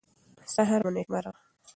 سهار مو نیکمرغه